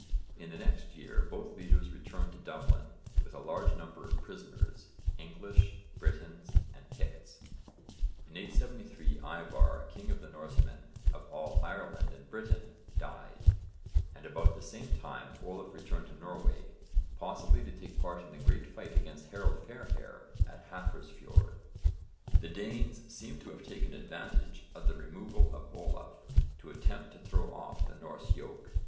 In the next year both leaders returned to Dublin with a large number of prisoners English, Britons and Picts. In 873 Ívarr, 'king of the Norsemen of all Ireland and Britain' died, and about the same time Olaf returned to Norway, possibly to take part in the great fight against Harold Fairhair at Hafrsfjord. The Danes seem to have taken advantage of the removal of Olaf to attempt to throw off the Norse yoke.